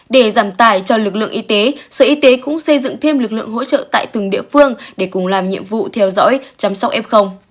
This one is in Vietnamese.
để giảm tài cho lực lượng y tế sở y tế cũng xây dựng thêm lực lượng hỗ trợ tại từng địa phương để cùng làm nhiệm vụ theo dõi chăm sóc f